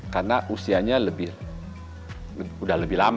karena usianya lebih udah lebih lama